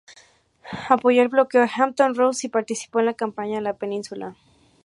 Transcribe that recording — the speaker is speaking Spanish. Apoyó el bloqueo de Hampton Roads y participó en la Campaña de la Península.